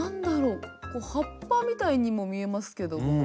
こう葉っぱみたいにも見えますけども。